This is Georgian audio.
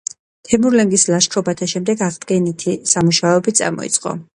თემურლენგის ლაშქრობათა შემდეგ აღდგენითი სამუშაოები წამოიწყო.